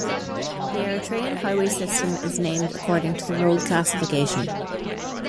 The Eritrean highway system is named according to the road classification.